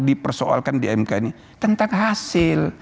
dipersoalkan di mk ini tentang hasil